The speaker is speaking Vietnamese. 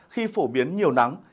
khi phổ biến nhiều nắng